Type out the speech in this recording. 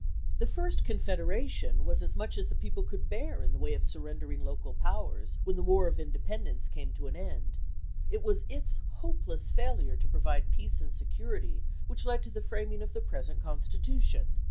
The first Confederation was as much as the people could bear in the way of surrendering local powers when the War of Independence came to an end. It was its hopeless failure to provide peace and security which led to the framing of the present Constitution.